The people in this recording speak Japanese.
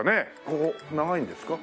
ここ長いんですか？